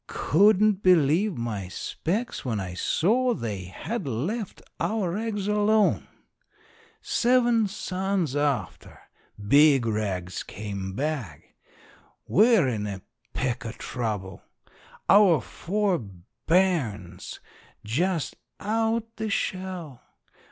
Couldn't believe my specs when I saw they had left our eggs alone. Seven suns after, big rags came back. We're in a peck o' trouble. Our four bairns just out the shell.